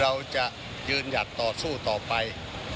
เราจะยืนหยัดต่อสู้ต่อไป